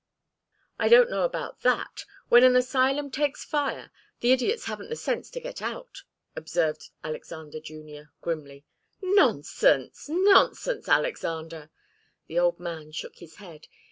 "I don't know about that. When an asylum takes fire, the idiots haven't the sense to get out," observed Alexander Junior, grimly. "Nonsense! Nonsense, Alexander!" The old man shook his head.